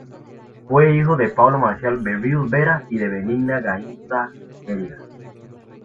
Fue hijo de Pablo Marcial Berríos Vera y de Benigna Gaínza Jeria.